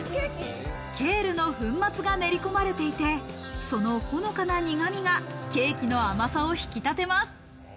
ケールの粉末が練り込まれていて、そのほのかな苦みがケーキの甘さを引き立てます。